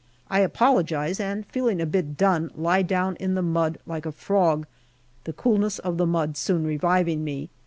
I apologize, and feeling a bit done, lie down in the mud like a frog, the coolness of the mud soon reviving me.